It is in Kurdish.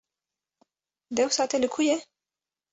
Dewsa te li ku ye?